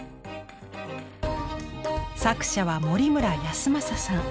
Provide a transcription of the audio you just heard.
作者は森村泰昌さん。